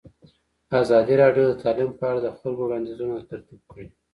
ازادي راډیو د تعلیم په اړه د خلکو وړاندیزونه ترتیب کړي.